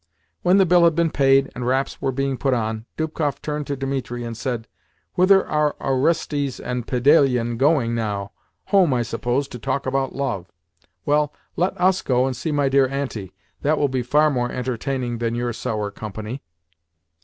When the bill had been paid and wraps were being put on, Dubkoff turned to Dimitri and said: "Whither are Orestes and Pedalion going now? Home, I suppose, to talk about love. Well, let US go and see my dear Auntie. That will be far more entertaining than your sour company."